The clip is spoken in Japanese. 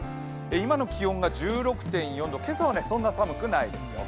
今の気温が１６．４度、今朝はそんな寒くないですよ。